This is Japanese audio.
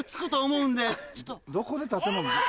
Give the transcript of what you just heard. どこで建物出た。